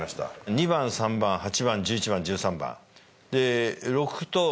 ２番３番８番１１番１３番で。